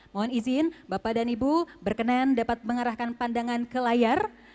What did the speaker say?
mohon izin bapak dan ibu berkenan dapat mengarahkan pandangan ke layar